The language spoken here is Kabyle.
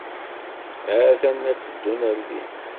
Ha-t-en la teddun ar din.